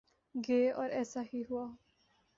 گے اور ایسا ہی ہوا۔